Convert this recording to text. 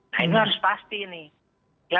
nah ini harus pasti nih